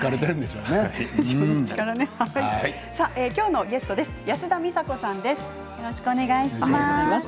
きょうのゲストは安田美沙子さんです。